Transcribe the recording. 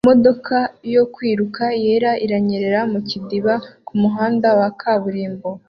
Imodoka yo kwiruka yera iranyerera mu kidiba kumuhanda wa kaburimbo